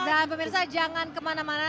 dan pemirsa jangan kemana mana